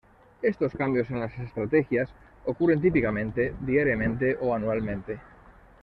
Estos cambios en las estrategias ocurren típicamente diariamente o anualmente.